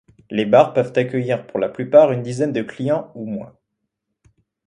Les bars peuvent accueillir, pour la plupart, une dizaine de clients ou moins.